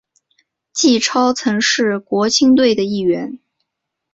纪超曾经是国青队的一员。